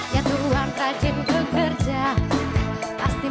cutianya menangis asleep